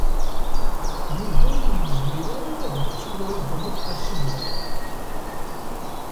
Yuba ur yezmir ara ad yettu Wrida n At Qasi Muḥ.